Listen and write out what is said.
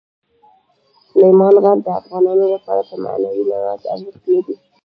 سلیمان غر د افغانانو لپاره په معنوي لحاظ ارزښت لري.